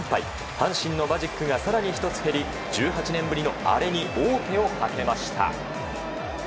阪神のマジックが更に１つ減り１８年ぶりのアレに王手をかけました。